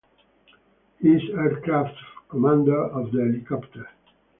He is aircraft commander of the helicopter.